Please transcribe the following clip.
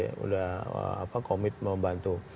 nah ini sudah komit membantu